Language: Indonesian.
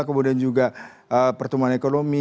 kemudian juga pertumbuhan ekonomi